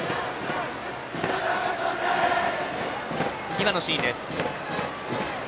今のシーンです。